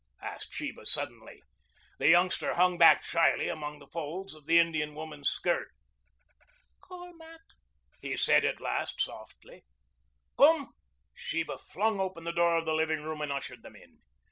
asked Sheba suddenly. The youngster hung back shyly among the folds of the Indian woman's skirt. "Colmac," he said at last softly. "Come!" Sheba flung open the door of the living room and ushered them in.